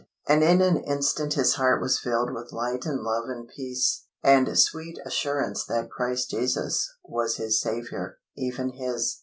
And in an instant his heart was filled with light and love and peace, and sweet assurance that Christ Jesus was his Saviour, even his.